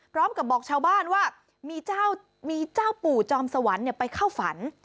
บอกชาวบ้านว่ามีเจ้าปู่จอมสวรรค์ไปเข้าฝัน